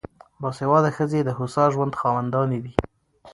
باسواده ښځې د هوسا ژوند خاوندانې دي.